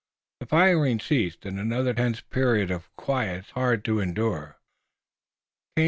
The firing ceased and another tense period of quiet, hard, to endure, came.